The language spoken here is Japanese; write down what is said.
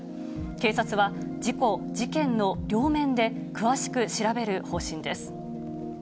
警察は、事故、事件の両面で、詳しく調べる方針です。